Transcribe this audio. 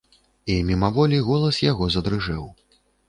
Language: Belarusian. І мімаволі голас яго задрыжэў.